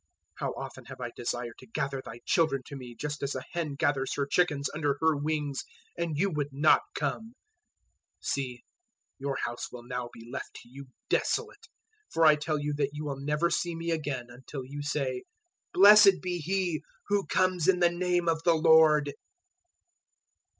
how often have I desired to gather thy children to me, just as a hen gathers her chickens under her wings, and you would not come! 023:038 See, your house will now be left to you desolate! 023:039 For I tell you that you will never see me again until you say, `Blessed be He who comes in the name of the Lord.'"